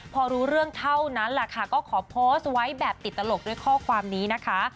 พอรู้เรื่องเท่านั้นแหละค่ะก็ขอโพสต์ไว้แบบติดตลกด้วยข้อความนี้นะคะ